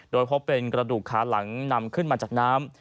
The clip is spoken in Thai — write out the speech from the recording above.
โดยพบเป็นกระดูกขาหลังนำขึ้นมาจากน้ำ